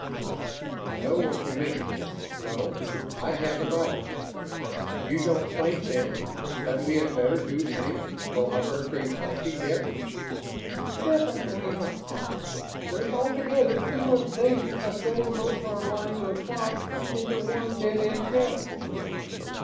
"I know what you mean. No, I haven't, either. You don't think, then, that we had better do any collaborative thinking yet?" "Definitely not. There's altogether too much danger of setting both our lines of thought into one dead end channel."